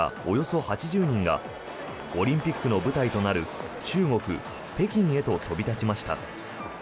およそ８０人がオリンピックの舞台となる中国・北京へと飛び立ちました。